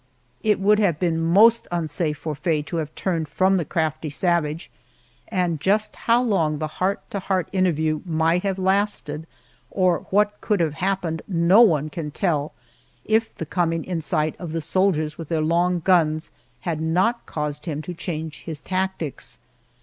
It would have been most unsafe for Faye to have turned from the crafty savage, and just how long the heart to heart interview might have lasted or what would have happened no one can tell if the coming in sight of the soldiers with their long guns had not caused him to change his tactics.